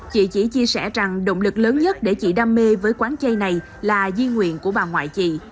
chị chỉ chia sẻ rằng động lực lớn nhất để chị đam mê với quán chay này là di nguyện của bà ngoại chị